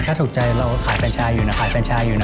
ถ้าถูกใจเราขายกัญชาอยู่นะขายกัญชาอยู่นะ